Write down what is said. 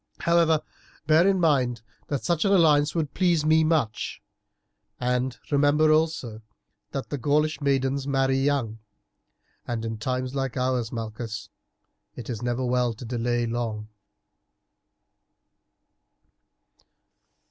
However, bear in mind that such an alliance would please me much, and remember also that the Gaulish maidens marry young, and in times like ours, Malchus, it is never well to delay long."